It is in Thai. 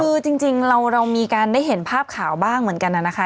คือจริงเรามีการได้เห็นภาพข่าวบ้างเหมือนกันนะคะ